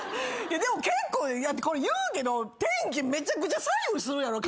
でも結構これ言うけど天気めちゃくちゃ左右するやろ体。